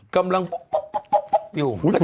กำลังปุ๊ก